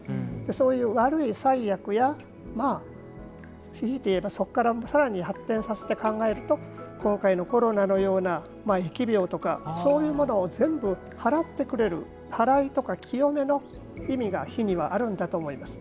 そういう悪い災厄や、そこからさらに発展させて考えると今回のコロナのような疫病とか、そういうものを全部、はらってくれるはらいとか清めの意味があるんだと思います。